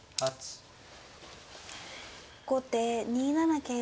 後手２七桂馬。